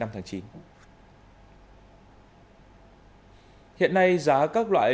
tại bến xe gia lâm